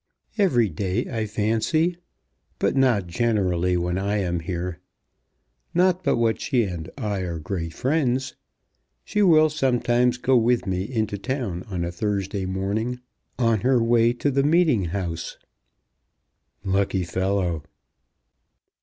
"Every day, I fancy; but not generally when I am here. Not but what she and I are great friends. She will sometimes go with me into town on a Thursday morning, on her way to the meeting house." "Lucky fellow!"